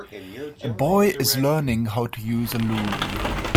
A boy is learning how to use a loom.